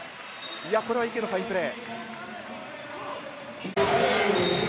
これは池のファインプレー。